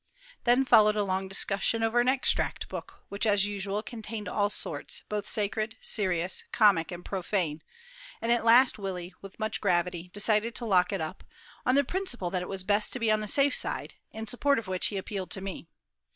Then followed a long discussion over an extract book, which, as usual, contained all sorts, both sacred, serious, comic, and profane; and at last Willie, with much gravity, decided to lock it up, on the principle that it was best to be on the safe side, in support of which he appealed to me.